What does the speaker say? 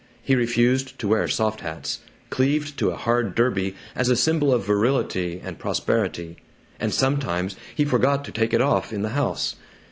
He refused to wear soft hats; cleaved to a hard derby, as a symbol of virility and prosperity; and sometimes he forgot to take it off in the house.